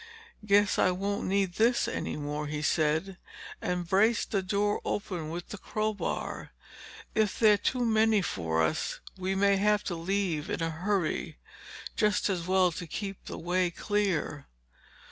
"Guess I won't need this any more," he said and braced the door open with the crowbar. "If they're too many for us, we may have to leave in a hurry. Just as well to keep the way clear."